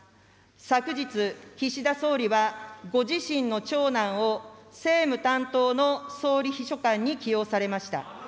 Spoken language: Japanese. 昨日、岸田総理はご自身の長男を政務担当の総理秘書官に起用されました。